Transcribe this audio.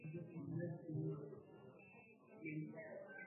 yewe yamejinadi na taarifa za vifurusi vyenye mabomu